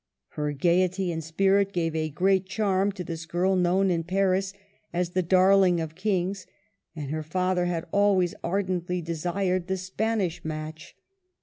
Her gayety and spirit gave a great charm to this girl, known in Paris as the Dar ling of Kings, and her father had always ardently desired the Spanish match.